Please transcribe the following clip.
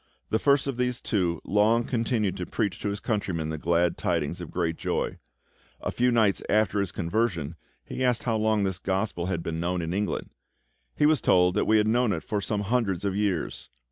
The first of these two long continued to preach to his countrymen the glad tidings of great joy. A few nights after his conversion he asked how long this Gospel had been known in England. He was told that we had known it for some hundreds of years.